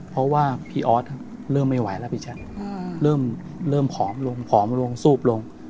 เพราะว่าพี่ออสเริ่มไม่ไหวแล้วพี่แจ๊คเริ่มผอมลงผอมลงซูบลง